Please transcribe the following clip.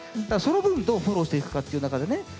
ただその分どうフォローしていくかっていう中でね